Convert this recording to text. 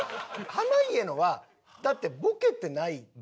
濱家のはだってボケてないから。